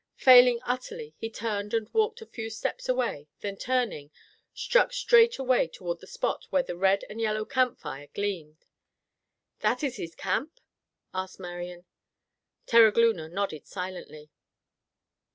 Failing utterly, he turned and walked a few steps away, then turning, struck straight away toward the spot where the red and yellow campfire gleamed. "That is his camp?" asked Marian. Terogloona nodded silently.